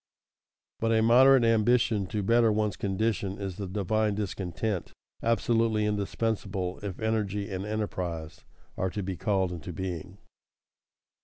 But a moderate ambition to better one's condition is the "divine discontent" absolutely indispensable if energy and enterprise are to be called into being.